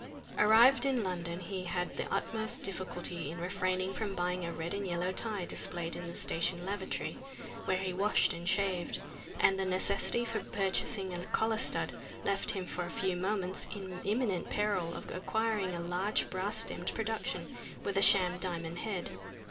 Arrived in London, he had the utmost difficulty to refrain from buying a red and yellow tie displayed in the station lavatory where he washed and shaved, and the necessity for purchasing a collar stud left him for a few moments in imminent peril of acquiring a large brass stemmed production with a sham diamond head.